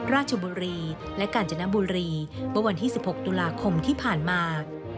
ราชบุรีและกาญจนบุรีเมื่อวันที่๑๖ตุลาคมที่ผ่านมา